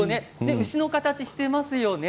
牛の形をしていますよね。